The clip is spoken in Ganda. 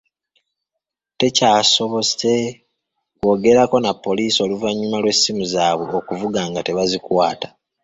Tekyasobose kwogerako na Poliisi oluvannyuma lw'essimu zaabwe okuvuga nga tebazikwata.